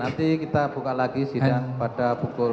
nanti kita buka lagi sidang pada pukul sembilan belas